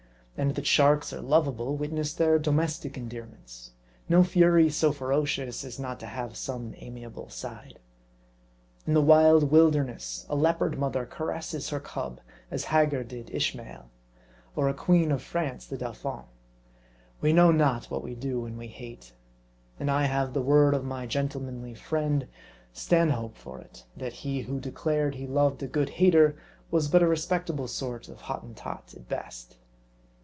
And that sharks are lovable, witness their domestic endearments. No Fury so ferocious, as not to have some amiable side. In the wild wilderness, a leopard mother caresses her cub, as Hagar did Ishmael ; or a queen of France the dauphin. We know not what we do when we hate. And I have the word of my gentlemanly friend Stanhope, for it ; that he who declared he loved a good hater was but a respectable sort of Hotten tot, at best.